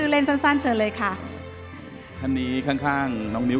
เพราะฉะนั้นเราทำกันเนี่ย